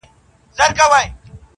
ستاسو خوږو مینوالو سره شریکوم!!